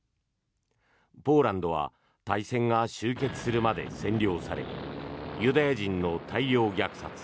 ポーランドは大戦が終結するまで占領されユダヤ人の大量虐殺